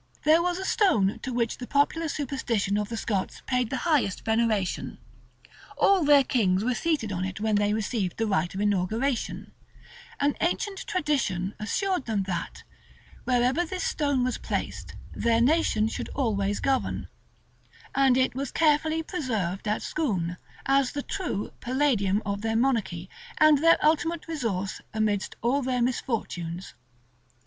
There was a stone to which the popular superstition of the Scots paid the highest veneration: all their kings were seated on it when they received the rite of inauguration: an ancient tradition assured them that, wherever this stone was placed, their nation should always govern: and it was carefully preserved at Scone, as the true, palladium of their monarchy, and their ultimate resource amidst all their misfortunes.